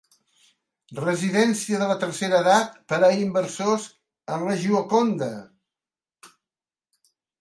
Residència de la tercera edat per a inversors en la Gioconda.